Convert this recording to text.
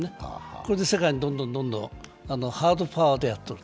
これで世界にどんどんハードパワーでやってる。